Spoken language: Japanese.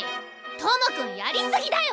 友くんやりすぎだよ！